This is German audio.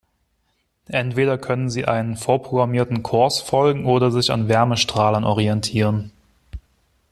Entweder können sie einem vorprogrammierten Kurs folgen oder sich an Wärmestrahlern orientieren.